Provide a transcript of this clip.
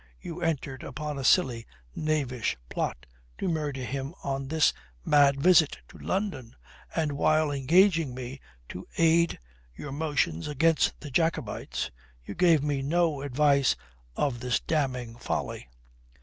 You entered upon a silly, knavish plot to murder him on this mad visit to London, and while engaging me to aid your motions against the Jacobites you gave me no advice of this damning folly.